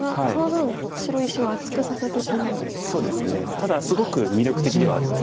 ただすごく魅力的ではあるんです。